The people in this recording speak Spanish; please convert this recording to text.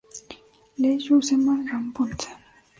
Les Souhesmes-Rampont